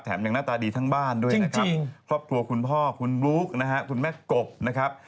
ยังหน้าตาดีทั้งบ้านด้วยนะครับครอบครัวคุณพ่อคุณบลุ๊กนะฮะคุณแม่กบนะครับ